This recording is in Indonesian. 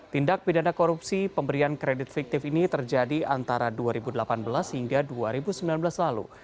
tindak pidana korupsi pemberian kredit fiktif ini terjadi antara dua ribu delapan belas hingga dua ribu sembilan belas lalu